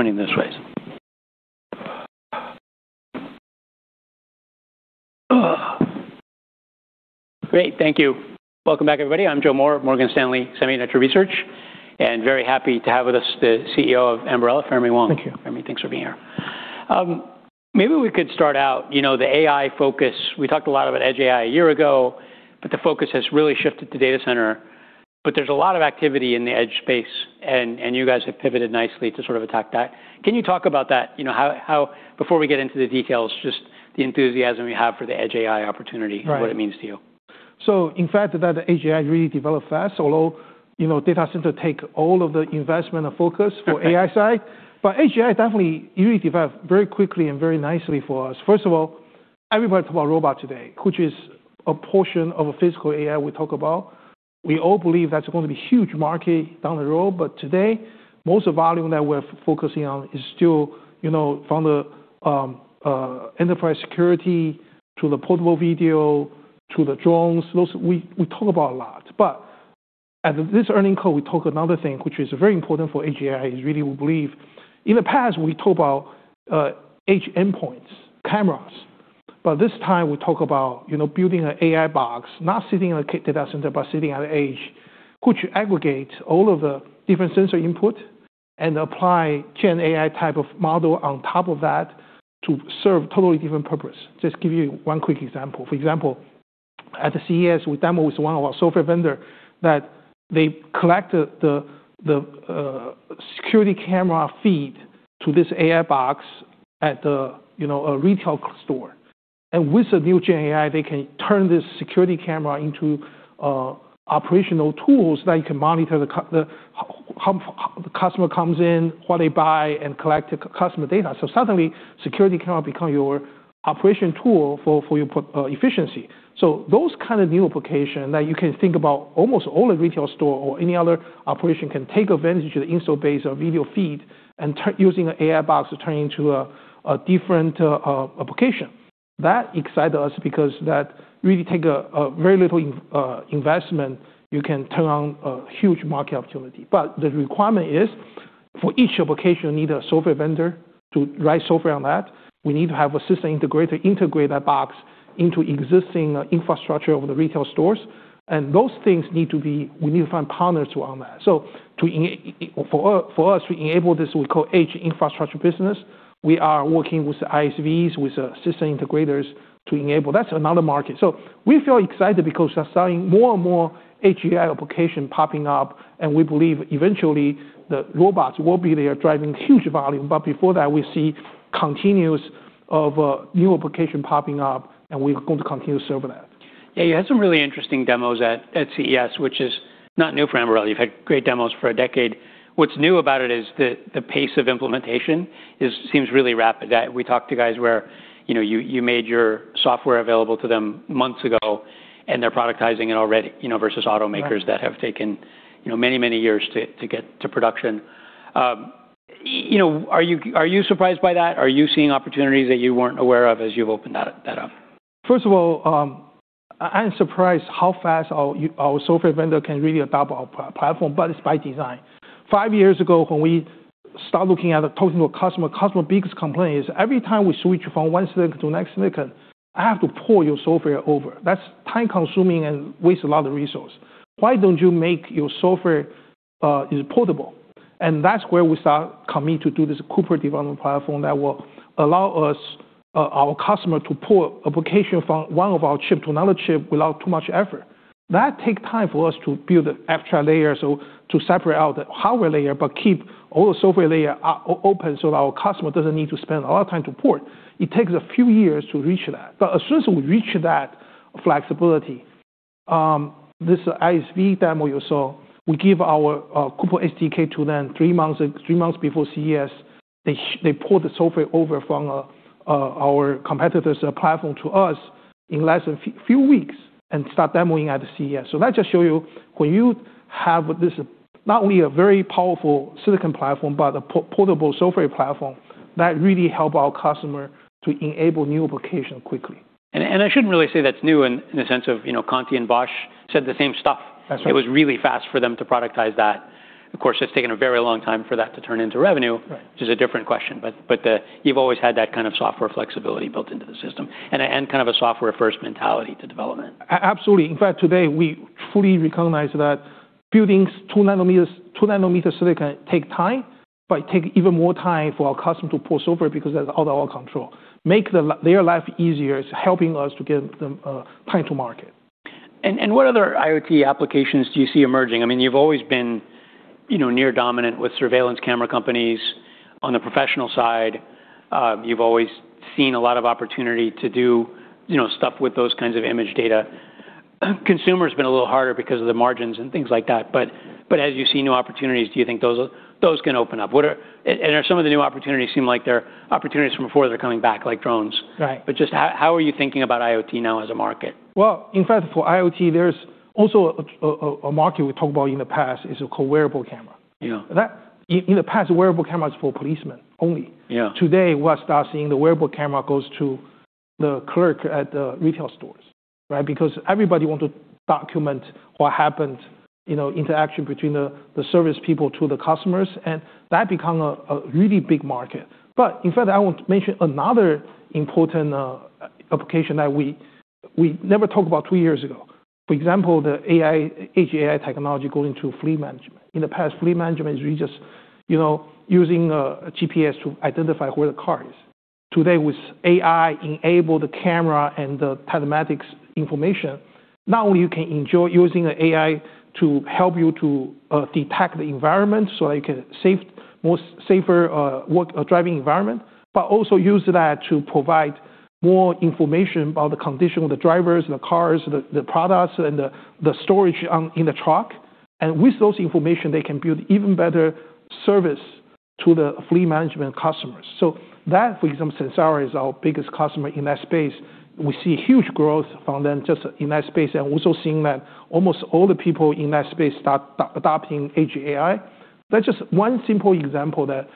Pointing this ways. Great. Thank you. Welcome back, everybody. I'm Joe Moore, Morgan Stanley Semiconductor Research. Very happy to have with us the CEO of Ambarella, Fermi Wang. Thank you. Fermi, thanks for being here. Maybe we could start out, you know, the AI focus. We talked a lot about Edge AI a year ago, the focus has really shifted to data center. There's a lot of activity in the Edge space and you guys have pivoted nicely to sort of attack that. Can you talk about that? You know, Before we get into the details, just the enthusiasm you have for the Edge AI opportunity- Right... and what it means to you. In fact, that AI really developed fast, although, you know, data center take all of the investment and focus for AI side. AI definitely really develop very quickly and very nicely for us. First of all, everybody talk about robot today, which is a portion of a physical AI we talk about. We all believe that's gonna be huge market down the road, but today, most volume that we're focusing on is still, you know, from the enterprise security to the portable video to the drones. Those we talk about a lot. At this earning call, we talk another thing which is very important for AI is really we believe... In the past we talk about edge endpoints, cameras. This time we talk about, you know, building an AI box, not sitting on a data center but sitting at an edge, which aggregates all of the different sensor input and apply GenAI type of model on top of that to serve totally different purpose. Just give you one quick example. For example, at the CES, we demo with one of our software vendor that they collect the security camera feed to this AI box at the, you know, a retail store. With the new GenAI, they can turn this security camera into operational tools that can monitor the how the customer comes in, what they buy, and collect the customer data. Suddenly, security camera become your operation tool for your efficiency. Those kind of new application that you can think about almost all the retail store or any other operation can take advantage of the install base or video feed and using AI box to turn into a different application. That excite us because that really take a very little investment, you can turn on a huge market opportunity. The requirement is, for each application, you need a software vendor to write software on that. We need to have a system integrator integrate that box into existing infrastructure of the retail stores. We need to find partners who own that. For us to enable this, we call Edge infrastructure business. We are working with ISVs, with system integrators to enable. That's another market. We feel excited because we are seeing more and more AI application popping up, and we believe eventually the robots will be there driving huge volume, but before that, we see continuous of new application popping up, and we're going to continue to serve that. You had some really interesting demos at CES, which is not new for Ambarella. You've had great demos for a decade. What's new about it is the pace of implementation seems really rapid. We talked to guys where, you know, you made your software available to them months ago and they're productizing it already, you know, versus automakers- Right that have taken, you know, many, many years to get to production. You know, are you surprised by that? Are you seeing opportunities that you weren't aware of as you've opened that up? First of all, I'm surprised how fast our software vendor can really adopt our platform. It's by design. Five years ago, when we start looking at talking to a customer's biggest complaint is, "Every time we switch from one silicon to next silicon, I have to port your software over. That's time-consuming and waste a lot of resource. Why don't you make your software is portable?" That's where we start commit to do this Cooper development platform that will allow us, our customer to port application from one of our chip to another chip without too much effort. That take time for us to build the extra layer, so to separate out the hardware layer, but keep all the software layer open so that our customer doesn't need to spend a lot of time to port. It takes a few years to reach that. As soon as we reach that flexibility, this ISV demo you saw, we give our Cooper SDK to them three months before CES. They port the software over from our competitor's platform to us in less than few weeks and start demoing at the CES. That just show you when you have this not only a very powerful silicon platform, but a portable software platform, that really help our customer to enable new application quickly. I shouldn't really say that's new in the sense of Continental and Bosch said the same stuff. That's right. It was really fast for them to productize that. Of course, it's taken a very long time for that to turn into revenue... Right... which is a different question. You've always had that kind of software flexibility built into the system and kind of a software-first mentality to development. Absolutely. In fact, today we fully recognize that building 2nm silicon take time, but take even more time for our customer to port software because that's out of our control. Make their life easier is helping us to get them time to market. What other IoT applications do you see emerging? I mean, you've always been, you know, near dominant with surveillance camera companies on the professional side. You've always seen a lot of opportunity to do, you know, stuff with those kinds of image data. Consumer's been a little harder because of the margins and things like that, as you see new opportunities, do you think those can open up? Are some of the new opportunities seem like they're opportunities from before that are coming back, like drones? Right. Just how are you thinking about IoT now as a market? Well, in fact, for IoT, there's also a market we talked about in the past is called wearable camera. Yeah. In the past, wearable camera is for policemen only. Yeah. Today, we are start seeing the wearable camera goes to the clerk at the retail stores, right? Everybody want to document what happened, you know, interaction between the service people to the customers, and that become a really big market. In fact, I want to mention another important application that we never talk about two years ago. For example, the Edge AI technology going to fleet management. In the past, fleet management is really just, you know, using a GPS to identify where the car is. Today, with AI-enabled camera and the telematics information, now you can enjoy using AI to help you to detect the environment, so you can safer work, driving environment. Also use that to provide more information about the condition of the drivers, the cars, the products, and the storage in the truck. With those information, they can build even better service to the fleet management customers. That, for example, Samsara is our biggest customer in that space. We see huge growth from them just in that space, and also seeing that almost all the people in that space start adopting Edge AI. That's just one simple example that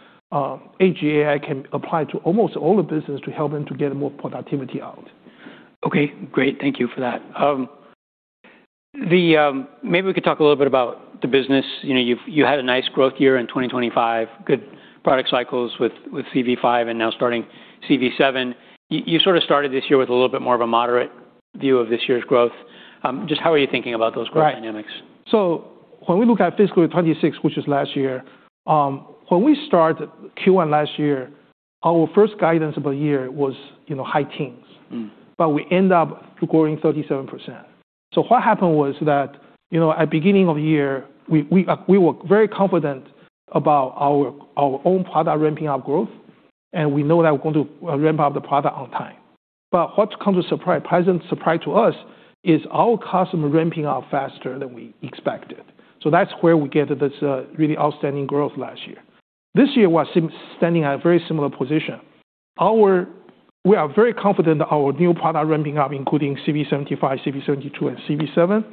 Edge AI can apply to almost all the business to help them to get more productivity out. Okay, great. Thank you for that. Maybe we could talk a little bit about the business. You know, you had a nice growth year in 2025, good product cycles with CV5 and now starting CV7. You sort of started this year with a little bit more of a moderate view of this year's growth. Just how are you thinking about those growth dynamics? Right. When we look at fiscal '26, which is last year, when we start Q1 last year, our first guidance of the year was, you know, high teens. Mm. We end up growing 37%. What happened was that, you know, at beginning of the year, we were very confident about our own product ramping up growth, and we know that we're going to ramp up the product on time. What come as pleasant surprise to us is our customer ramping up faster than we expected. That's where we get this really outstanding growth last year. This year, we're standing at a very similar position. We are very confident our new product ramping up, including CV75, CV72, and CV7.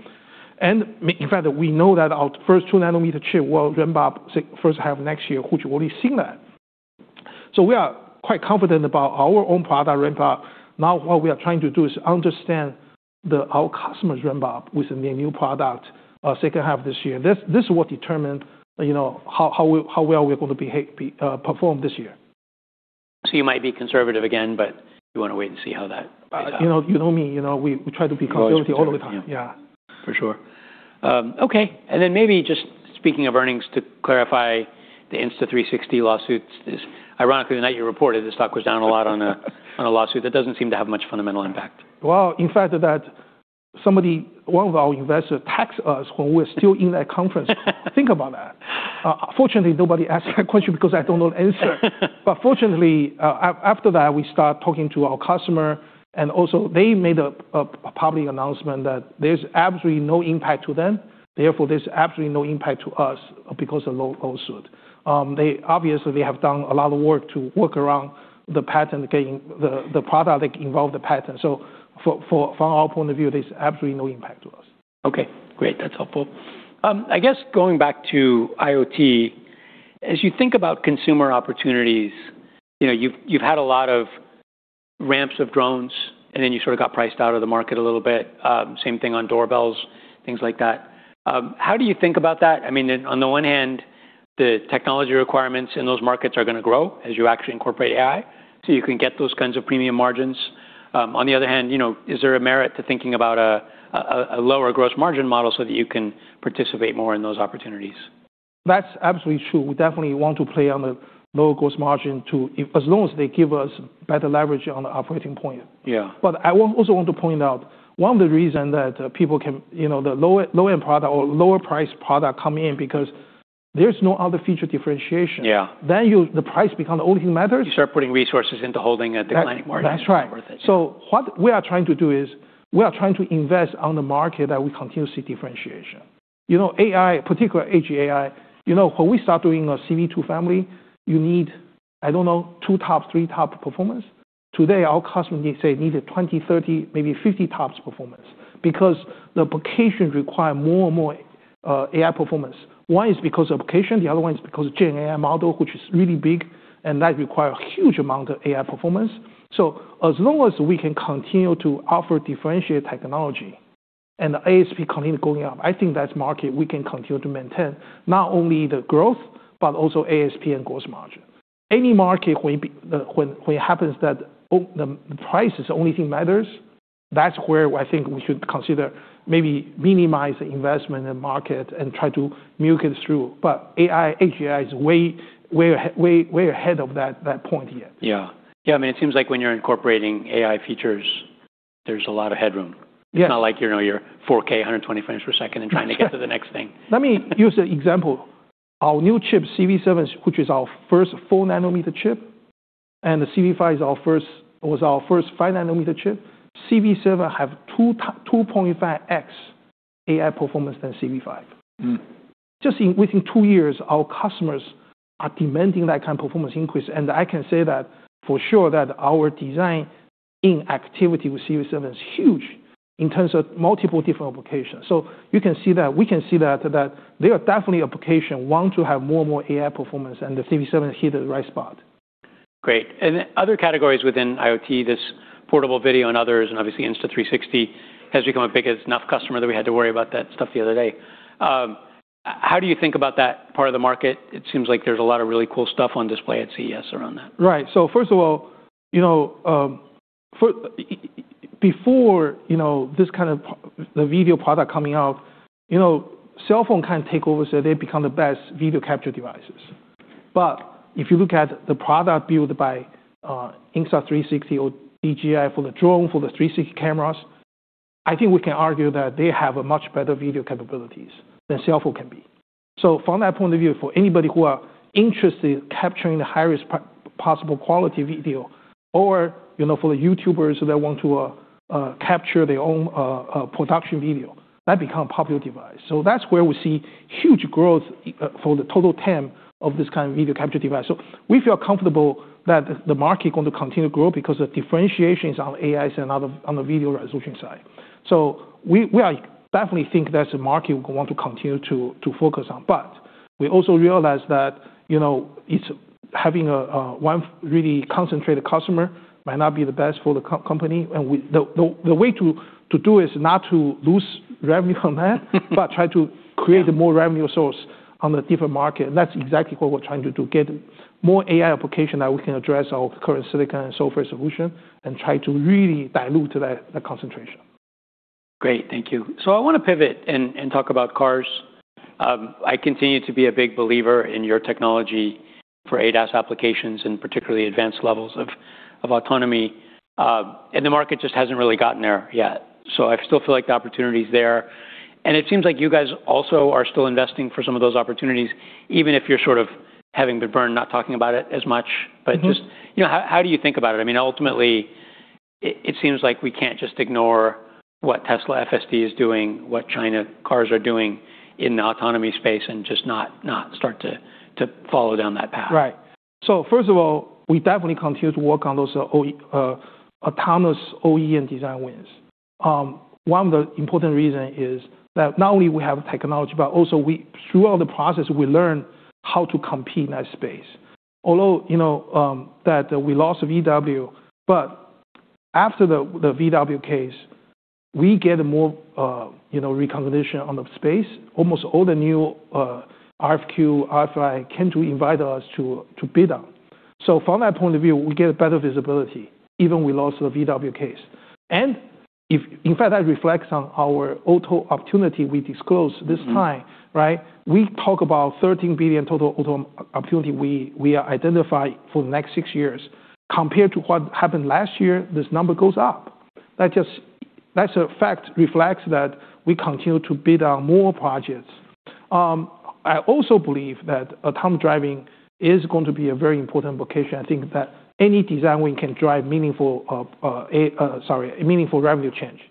In fact, we know that our first 2nm chip will ramp up first half of next year, which we've already seen that. We are quite confident about our own product ramp up. What we are trying to do is understand our customers ramp up with the new product, second half of this year. This will determine, you know, how we, how well we're gonna perform this year. You might be conservative again, but you wanna wait and see how that plays out. You know, you know me. You know, we try to be conservative all the time. You always do. Yeah. For sure. Okay. Maybe just speaking of earnings, to clarify the Insta360 lawsuit. Ironically, the night you reported, the stock was down a lot on a lawsuit that doesn't seem to have much fundamental impact. Well, in fact, that somebody, one of our investors, text us when we're still in that conference. Think about that. Fortunately, nobody asked that question because I don't know the answer. Fortunately, after that, we start talking to our customer, and also they made a public announcement that there's absolutely no impact to them. Therefore, there's absolutely no impact to us because of the lawsuit. They obviously have done a lot of work to work around the patent, getting the product that involve the patent. From our point of view, there's absolutely no impact to us. Okay, great. That's helpful. I guess going back to IoT, as you think about consumer opportunities, you know, you've had a lot of ramps of drones, then you sort of got priced out of the market a little bit. Same thing on doorbells, things like that. How do you think about that? I mean, on the one hand, the technology requirements in those markets are gonna grow as you actually incorporate AI, so you can get those kinds of premium margins. On the other hand, you know, is there a merit to thinking about a lower gross margin model so that you can participate more in those opportunities? That's absolutely true. We definitely want to play on the lower gross margin as long as they give us better leverage on the operating point. Yeah. I also want to point out, one of the reason that people can... You know, the lower-end product or lower priced product come in because there's no other feature differentiation. Yeah. The price become the only thing matters. You start putting resources into holding at declining margin. That's right. Not worth it. What we are trying to do is we are trying to invest on the market that we continue to see differentiation. You know, AI, particular Edge AI, you know, when we start doing a CV2 family, you need, I don't know, 2 TOPS, 3 TOPS performance. Today, our customer needs, say, needed 20 TOPS, 30 TOPS, maybe 50 TOPS performance because the applications require more and more AI performance. One is because of application, the other one is because of GenAI model, which is really big, and that require a huge amount of AI performance. As long as we can continue to offer differentiated technology and the ASP continue going up, I think that's market we can continue to maintain not only the growth, but also ASP and gross margin. Any market where when it happens that the price is the only thing matters, that's where I think we should consider maybe minimize the investment in the market and try to milk it through. AI, Edge AI is way ahead of that point yet. Yeah. Yeah, I mean, it seems like when you're incorporating AI features, there's a lot of headroom. Yeah. It's not like, you know, you're 4K, 120 frames per second and get to the next thing. Let me use an example. Our new chip, CV7, which is our first 4 nanometer chip, and the CV5 was our first 5 nanometer chip. CV7 have 2.5x AI performance than CV5. Mm. Just in within 2 years, our customers are demanding that kind of performance increase. I can say that for sure that our design in activity with CV7 is huge. In terms of multiple different applications. We can see that there are definitely application want to have more and more AI performance, and the CV7 hit the right spot. Great. Other categories within IoT, this portable video and others, and obviously Insta360 has become a big enough customer that we had to worry about that stuff the other day. How do you think about that part of the market? It seems like there's a lot of really cool stuff on display at CES around that. First of all, you know, before, you know, this kind of the video product coming out, you know, cell phone kind of take over, so they become the best video capture devices. If you look at the product built by Insta360 or DJI for the drone, for the 360 cameras, I think we can argue that they have a much better video capabilities than cell phone can be. From that point of view, for anybody who are interested in capturing the highest possible quality video or, you know, for the YouTubers that want to capture their own production video, that become a popular device. That's where we see huge growth for the total TAM of this kind of video capture device. We feel comfortable that the market going to continue to grow because the differentiation is on AI and on the video resolution side. We definitely think that's a market we want to continue to focus on. We also realize that, you know, it's having one really concentrated customer might not be the best for the company, and we the way to do is not to lose revenue from that. Yeah. a more revenue source on the different market, and that's exactly what we're trying to do, to get more AI application that we can address our current silicon and software solution and try to really dilute that concentration. Great. Thank you. I wanna pivot and talk about cars. I continue to be a big believer in your technology for ADAS applications and particularly advanced levels of autonomy, and the market just hasn't really gotten there yet. I still feel like the opportunity is there. It seems like you guys also are still investing for some of those opportunities, even if you're sort of having to burn not talking about it as much. Just, you know, how do you think about it? I mean, ultimately, it seems like we can't just ignore what Tesla FSD is doing, what China cars are doing in the autonomy space and just not start to follow down that path. Right. First of all, we definitely continue to work on those autonomous OEM design wins. One of the important reason is that not only we have technology, but also we throughout the process, we learn how to compete in that space. Although, you know, that we lost VW, but after the VW case, we get more, you know, recognition on the space. Almost all the new RFQ, RFI came to invite us to bid on. From that point of view, we get better visibility, even we lost the VW case. In fact, that reflects on our auto opportunity we disclose this time, right? We talk about $13 billion total auto opportunity we identify for the next six years. Compared to what happened last year, this number goes up. That fact reflects that we continue to bid on more projects. I also believe that autonomous driving is going to be a very important location. I think that any design win can drive meaningful, Sorry, a meaningful revenue change.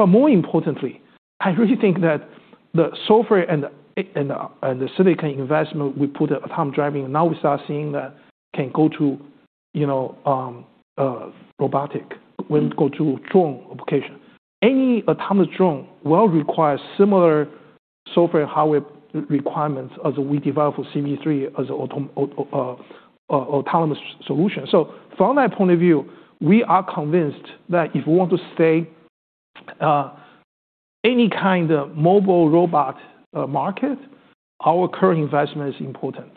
More importantly, I really think that the software and the silicon investment we put at autonomous driving, now we start seeing that can go to, you know, robotic. Mm-hmm. When it go to drone application. Any autonomous drone will require similar software and hardware requirements as we develop for CV3 as autonomous solution. From that point of view, we are convinced that if we want to stay any kind of mobile robot market, our current investment is important.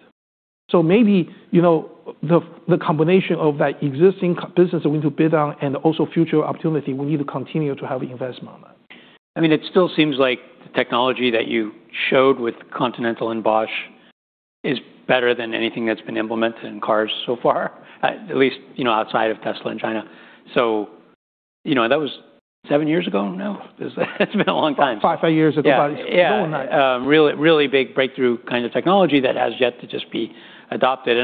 Maybe, you know, the combination of that existing business that we need to bid on and also future opportunity, we need to continue to have investment on that. I mean, it still seems like the technology that you showed with Continental and Bosch is better than anything that's been implemented in cars so far, at least, you know, outside of Tesla and China. You know, that was seven years ago now. It's been a long time. Five years at the body. Yeah. Yeah. More than that. really, really big breakthrough kind of technology that has yet to just be adopted.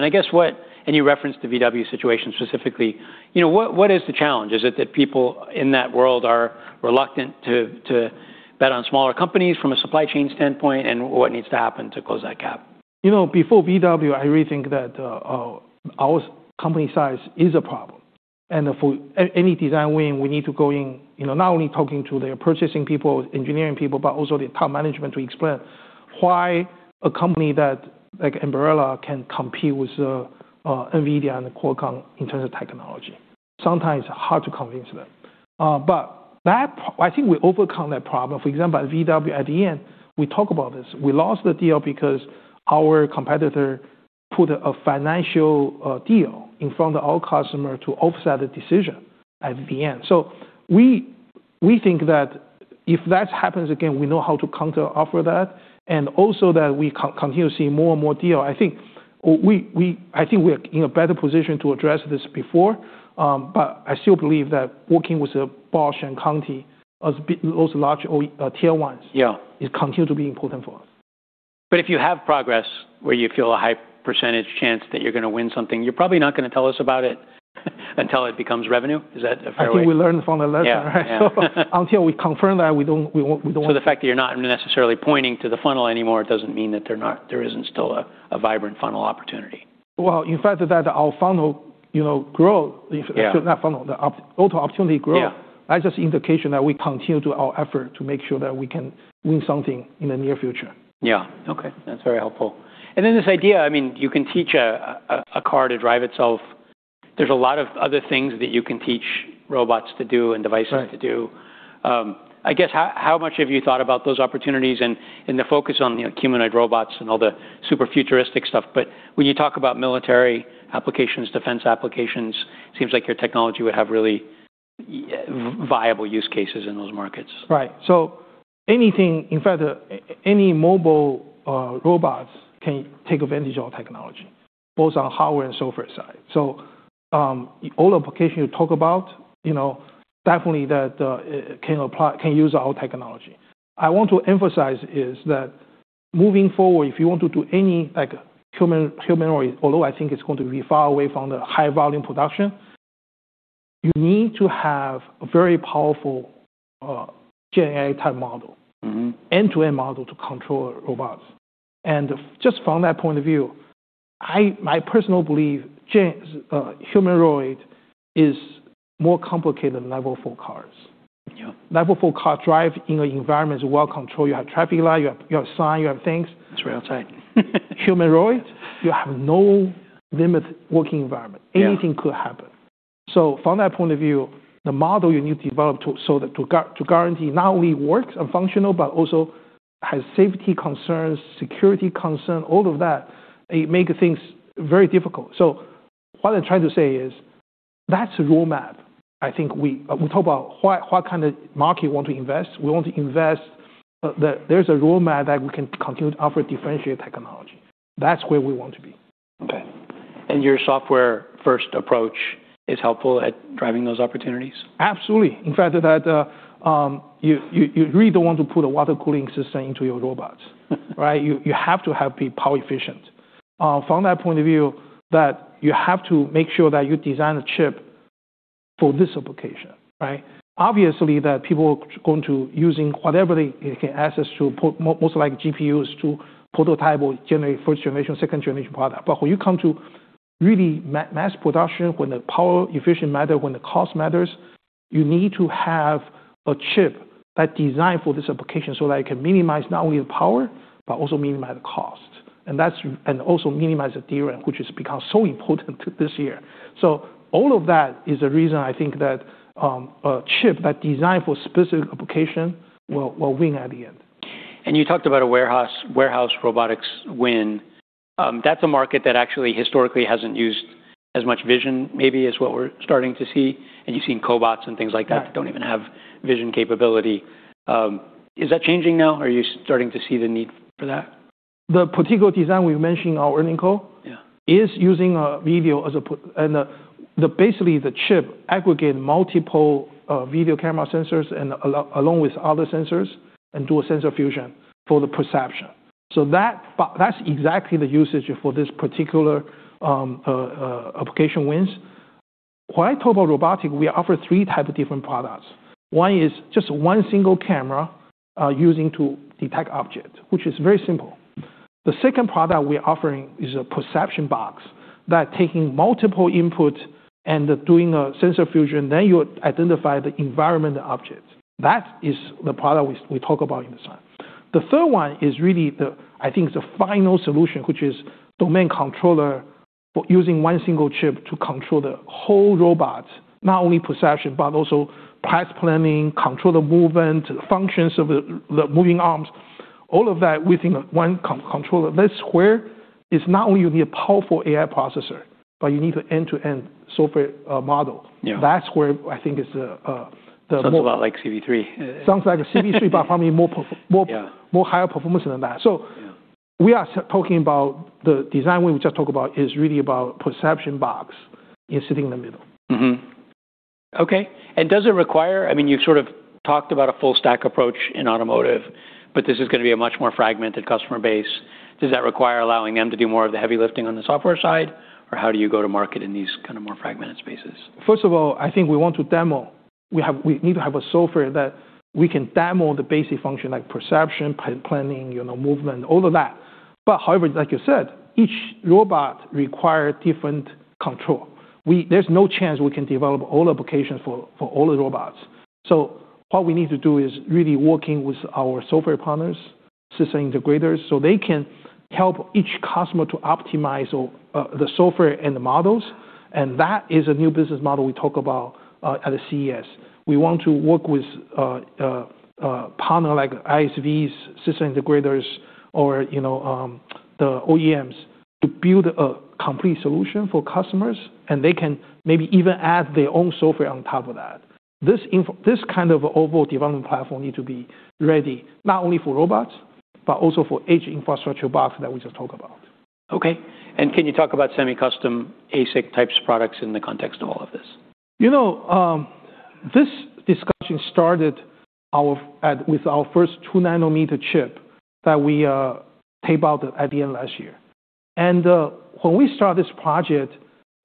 You referenced the VW situation specifically. You know, what is the challenge? Is it that people in that world are reluctant to bet on smaller companies from a supply chain standpoint? What needs to happen to close that gap? You know, before VW, I really think that our company size is a problem. For any design win, we need to go in, you know, not only talking to their purchasing people, engineering people, but also the top management to explain why a company that, like, Ambarella can compete with NVIDIA and Qualcomm in terms of technology. Sometimes hard to convince them. I think we overcome that problem. For example, VW at the end, we talk about this. We lost the deal because our competitor put a financial deal in front of our customer to offset the decision at the end. We think that if that happens again, we know how to counteroffer that, and also that we continue to see more and more deal. I think we're in a better position to address this before, but I still believe that working with Bosch and Continental, as those large Tier 1s. Yeah. is continue to be important for us. If you have progress where you feel a high % chance that you're gonna win something, you're probably not gonna tell us about it. Until it becomes revenue? Is that a fair way. I think we learned from the lesson, right? Yeah. Yeah. until we confirm that, we don't, we won't. The fact that you're not necessarily pointing to the funnel anymore doesn't mean that there isn't still a vibrant funnel opportunity. Well, in fact, that our funnel, you know. Yeah not funnel. The automotive opportunity growth- Yeah that's just indication that we continue to do our effort to make sure that we can win something in the near future. Yeah. Okay. That's very helpful. Then this idea, I mean, you can teach a car to drive itself. There's a lot of other things that you can teach robots to do. Right... to do. I guess, how much have you thought about those opportunities and the focus on, you know, humanoid robots and all the super futuristic stuff? When you talk about military applications, defense applications, seems like your technology would have really viable use cases in those markets. Right. Anything, in fact, any mobile robots can take advantage of our technology, both on hardware and software side. All application you talk about, you know, definitely that can use our technology. I want to emphasize is that moving forward, if you want to do any, like, human, humanoid, although I think it's going to be far away from the high volume production, you need to have a very powerful GenAI type model. Mm-hmm. End-to-end model to control robots. Just from that point of view, my personal belief, humanoid is more complicated than Level 4 cars. Yeah. Level 4 car drive in an environment is well controlled. You have traffic light, you have sign, you have things. That's real tight. Humanoid, you have no limit working environment. Yeah. Anything could happen. From that point of view, the model you need to develop to guarantee not only works and functional, but also has safety concerns, security concern, all of that, it make things very difficult. What I'm trying to say is that's a roadmap. I think we talk about what kind of market we want to invest. We want to invest, there's a roadmap that we can continue to offer differentiated technology. That's where we want to be. Okay. Your software-first approach is helpful at driving those opportunities? Absolutely. In fact, that, you really don't want to put a water cooling system into your robots, right? You have to have be power efficient. From that point of view, that you have to make sure that you design a chip for this application, right? Obviously, that people going to using whatever they can access to put most like GPUs to prototype or generate first generation, second generation product. When you come to really mass production, when the power efficient matter, when the cost matters, you need to have a chip that designed for this application so that it can minimize not only the power, but also minimize the cost. Also minimize the theory, which has become so important this year. All of that is the reason I think that a chip that designed for specific application will win at the end. You talked about a warehouse robotics win. That's a market that actually historically hasn't used as much vision maybe as what we're starting to see. You've seen cobots and things like that. Yeah... don't even have vision capability. Is that changing now? Are you starting to see the need for that? The particular design we mentioned in our earnings call Yeah is using video. Basically, the chip aggregate multiple video camera sensors and along with other sensors and do a sensor fusion for the perception. That's exactly the usage for this particular application wins. When I talk about robotic, we offer 3 type of different products. 1 is just 1 single camera using to detect object, which is very simple. The second product we're offering is a perception box that taking multiple input and doing a sensor fusion, then you identify the environment objects. That is the product we talk about in this one. The third one is really the, I think, the final solution, which is domain controller using one single chip to control the whole robot, not only perception, but also path planning, control the movement, functions of the moving arms, all of that within one controller. That's where it's not only you need a powerful AI processor, but you need an end-to-end software model. Yeah. That's where I think is the. Sounds a lot like CV3. Sounds like a CV3, but probably more. Yeah... more higher performance than that. Yeah we are talking about the design we just talked about is really about perception box is sitting in the middle. Okay. I mean, you sort of talked about a full stack approach in automotive, but this is gonna be a much more fragmented customer base. Does that require allowing them to do more of the heavy lifting on the software side? How do you go to market in these kind of more fragmented spaces? First of all, I think we want to demo. We need to have a software that we can demo the basic function like perception, path planning, you know, movement, all of that. However, like you said, each robot require different control. There's no chance we can develop all applications for all the robots. What we need to do is really working with our software partners, system integrators, so they can help each customer to optimize all the software and the models, that is a new business model we talk about at the CES. We want to work with a partner like ISVs, system integrators, or, you know, the OEMs to build a complete solution for customers, they can maybe even add their own software on top of that. This kind of overall development platform need to be ready not only for robots, but also for each infrastructure box that we just talked about. Okay. Can you talk about semi-custom ASIC types products in the context of all of this? You know, this discussion started with our first 2nm chip that we tape out at the end of last year. When we start this project,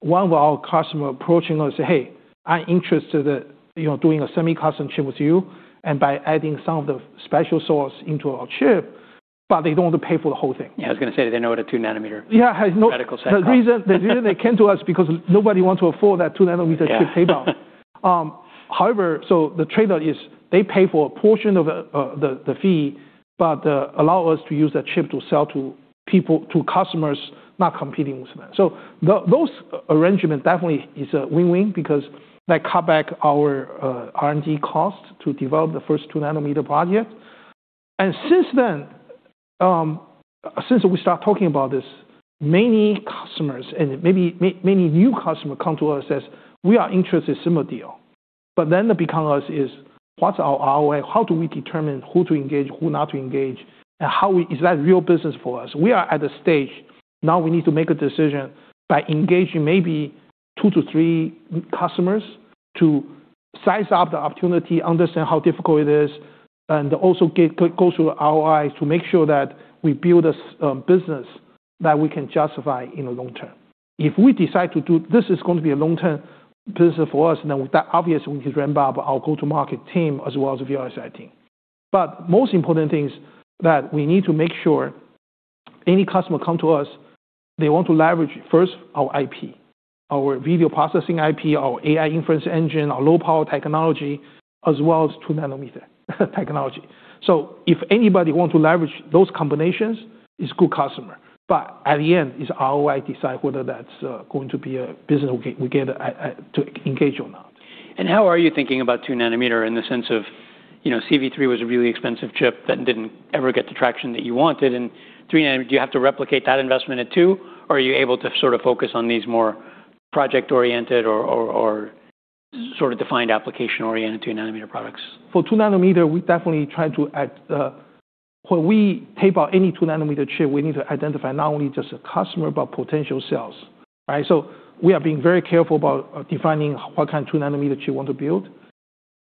one of our customer approaching us say, "Hey, I'm interested at, you know, doing a semi-custom chip with you, and by adding some of the special sauce into our chip," but they don't want to pay for the whole thing. Yeah, I was gonna say they know what a 2nm... Yeah. mask set cost. The reason they came to us because nobody want to afford that 2nm chip tape out. Yeah. However, the trade-out is they pay for a portion of the fee, but allow us to use that chip to sell to people, to customers not competing with them. Those arrangement definitely is a win-win because that cut back our R&D cost to develop the first 2nm project. Since then, since we start talking about this, many customers and maybe many new customer come to us says, "We are interested similar deal." The become us is what's our way? How do we determine who to engage, who not to engage? How we... Is that real business for us? We are at the stage now we need to make a decision by engaging maybe two to three customers to size up the opportunity, understand how difficult it is, and also go through our i's to make sure that we build this business that we can justify in the long term. If we decide to do, this is going to be a long-term business for us, now that obviously we could ramp up our go-to-market team as well as the VLSI team. Most important thing is that we need to make sure any customer come to us, they want to leverage first our IP, our video processing IP, our AI inference engine, our low-power technology, as well as 2nm technology. If anybody want to leverage those combinations, it's good customer. At the end, it's our way decide whether that's going to be a business we get to engage or not. How are you thinking about 2nm in the sense of, you know, CV3 was a really expensive chip that didn't ever get the traction that you wanted and do you have to replicate that investment at 2nm, or are you able to sort of focus on these more project-oriented or sort of defined application-oriented 2nm products? For 2nm, we definitely try to. When we tape out any 2nm chip, we need to identify not only just a customer, but potential sales, right? We are being very careful about defining what kind of 2nm chip we want to build.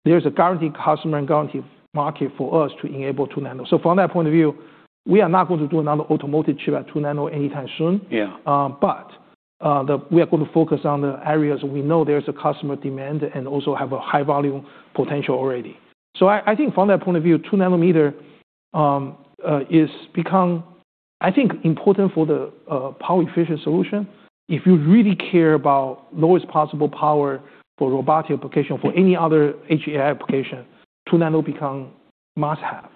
There's a guaranteed customer and guaranteed market for us to enable 2nm. From that point of view, we are not going to do another automotive chip at 2nm anytime soon. Yeah. The, we are gonna focus on the areas we know there's a customer demand and also have a high volume potential already. I think from that point of view, two nanometer is become, I think, important for the power efficient solution. If you really care about lowest possible power for robotic application, for any other HMI application, two nano become must have.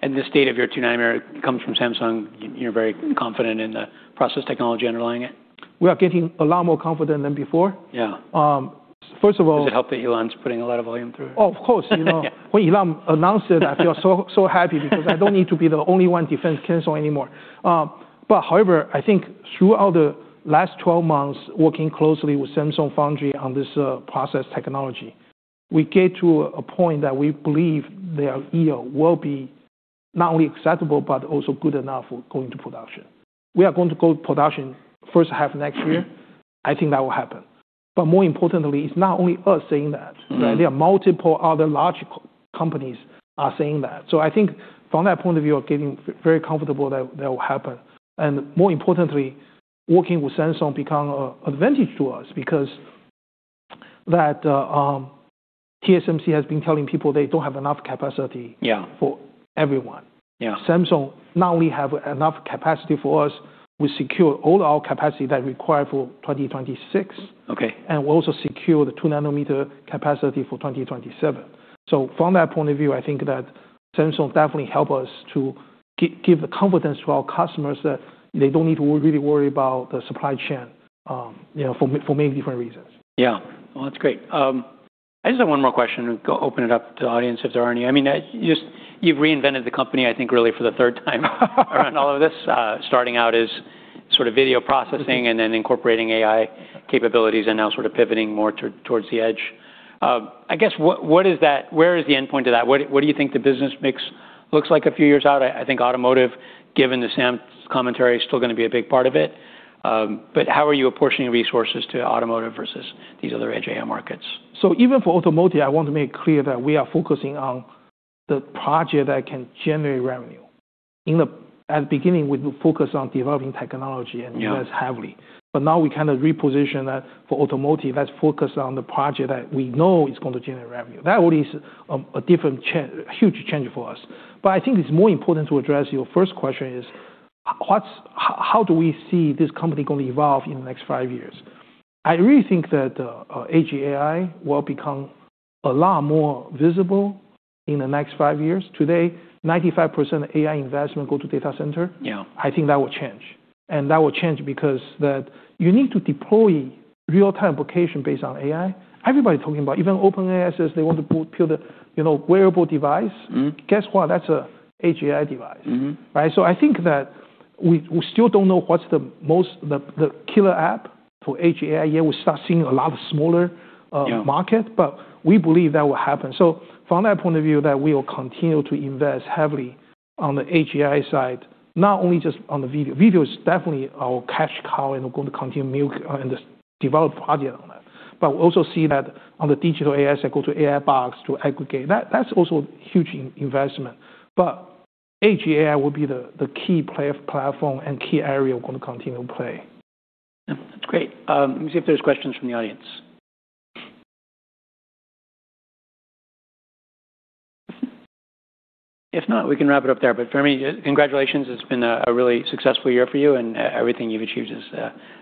The state of your 2nm comes from Samsung, you're very confident in the process technology underlying it? We are getting a lot more confident than before. Yeah. first of all... Does it help that Elon's putting a lot of volume through? Of course, you know. When Elon announced it, I feel so happy because I don't need to be the only one defense counsel anymore. However, I think throughout the last 12 months, working closely with Samsung Foundry on this process technology, we get to a point that we believe their yield will be not only acceptable, but also good enough for going to production. We are going to go to production first half of next year. I think that will happen. More importantly, it's not only us saying that, right? There are multiple other large companies are saying that. I think from that point of view, getting very comfortable that will happen. More importantly, working with Samsung become a advantage to us because that, TSMC has been telling people they don't have enough capacity. Yeah. for everyone. Yeah. Samsung not only have enough capacity for us, we secure all our capacity that require for 2026. Okay. We also secure the 2nm capacity for 2027. From that point of view, I think that Samsung definitely help us to give the confidence to our customers that they don't need to really worry about the supply chain, you know, for many different reasons. Yeah. Well, that's great. I just have one more question and go open it up to audience if there are any. I mean, you just, you've reinvented the company, I think, really for the third time around all of this. Starting out as sort of video processing and then incorporating AI capabilities and now sort of pivoting more towards the Edge. I guess what, where is the end point of that? What, what do you think the business mix looks like a few years out? I think automotive, given the Samsara commentary, is still gonna be a big part of it. How are you apportioning resources to automotive versus these other Edge AI markets? Even for automotive, I want to make clear that we are focusing on the project that can generate revenue. At the beginning, we focus on developing technology and invest heavily. Yeah. Now we kinda reposition that for automotive. Let's focus on the project that we know is gonna generate revenue. That already is a different huge change for us. I think it's more important to address your first question is, how do we see this company going to evolve in the next five years? I really think that edge AI will become a lot more visible in the next five years. Today, 95% of AI investment go to data center. Yeah. I think that will change. That will change because that you need to deploy real-time application based on AI. Everybody talking about, even OpenAI says they want to build a, you know, wearable device. Guess what? That's a Edge AI device. Right? I think that we still don't know what's the most, the killer app for Edge AI yet. We start seeing a lot of smaller market. Yeah. We believe that will happen. From that point of view, that we will continue to invest heavily on the Edge AI side, not only just on the video. Video is definitely our cash cow and going to continue milk and develop project on that. We also see that on the digital AI side, go to AI box to aggregate. That's also huge investment. Edge AI will be the key platform and key area we're gonna continue to play. Yeah. That's great. Let me see if there's questions from the audience. If not, we can wrap it up there. Fermi, congratulations, it's been a really successful year for you, everything you've achieved is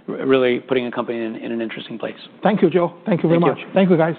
really putting the company in an interesting place. Thank you, Joe. Thank you very much. Thank you. Thank you, guys.